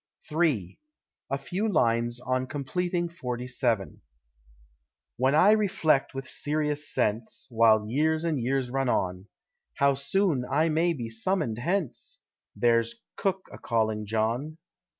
III. A FEW LINES ON COMPLETING FORTY SEVEN. When I reflect with serious sense, While years and years run on, How soon I may be summoned hence There's cook a calling John.